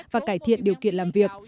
và cải thiện điều kiện làm việc